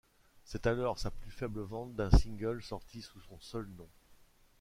C'est alors sa plus faible vente d'un single sorti sous son seul nom.